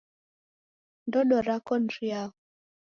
Ndodo rako ni riao?